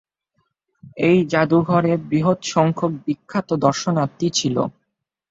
এই জাদুঘরের বৃহত সংখ্যক বিখ্যাত দর্শনার্থী ছিলো।